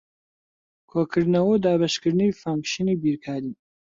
کۆکردنەوە و دابەشکردن فانکشنی بیرکارین.